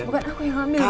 bukan aku yang ambil mas